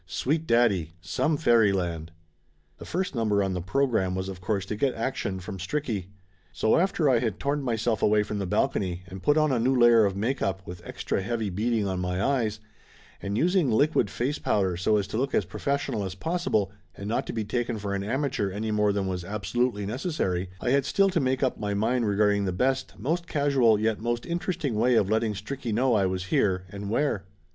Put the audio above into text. Sweet daddy ! Some fairyland ! The first number on the program was of course to get action from Stricky. So after I had torn myself away from the balcony and put on a new layer of make up with extra heavy beading on my eyes, and using liquid face powder so as to look as professional as possible and not to be taken for an amateur any more than was absolutely necessary, I had still to make up my mind regarding the best, most casual, yet most interesting way of letting Stricky know I was here, and where.